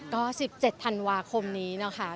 ก็๑๗ธันวาคมนี้นะคะ